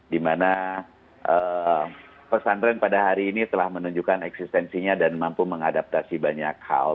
dimana pesantren pada hari ini telah menunjukkan eksistensinya dan mampu mengadaptasi banyak hal